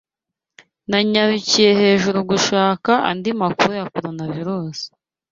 Nanyarukiye hejuru gushaka andi makuru ya Coronavirusi.